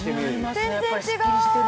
全然違う！